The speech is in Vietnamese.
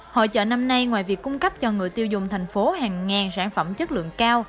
hội trợ năm nay ngoài việc cung cấp cho người tiêu dùng thành phố hàng ngàn sản phẩm chất lượng cao